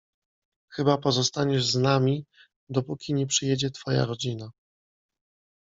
Chyba pozostaniesz z nami, dopóki nie przyjedzie twoja rodzina.